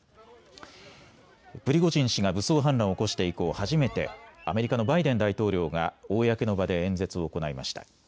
プリゴジン氏が武装反乱を起こして以降初めてアメリカのバイデン大統領が公の場で演説を行いました。